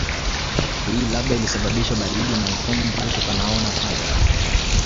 Hii labda ilisababishwa baridi na na utomvu utokanao na fangasi